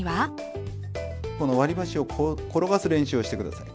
この割り箸を転がす練習をして下さい。